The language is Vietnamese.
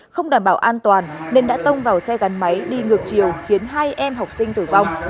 không đảm bảo an toàn nên đã tông vào xe gắn máy đi ngược chiều khiến hai em học sinh tử vong